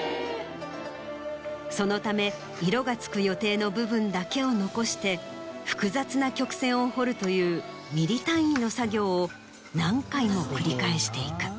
そのため色が付く予定の部分だけを残して複雑な曲線を彫るというミリ単位の作業を何回も繰り返していく。